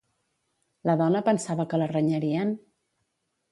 La dona pensava que la renyarien?